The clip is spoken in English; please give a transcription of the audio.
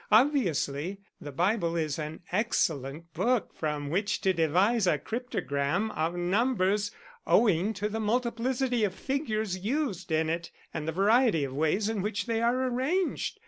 Obviously, the Bible is an excellent book from which to devise a cryptogram of numbers owing to the multiplicity of figures used in it and the variety of ways in which they are arranged.